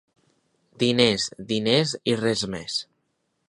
Diners, diners, i res més.